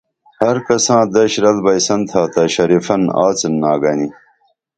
ہر کساں دش رل بئیسن تھاتا شریفن آڅِن نا گنی